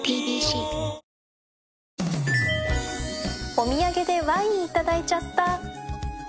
お土産でワインいただいちゃった